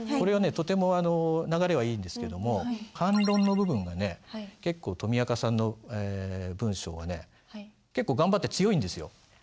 とても流れはいいんですけども反論の部分がね結構とみあかさんの文章はね結構頑張って強いんですよ。